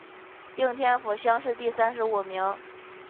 应天府乡试第三十五名。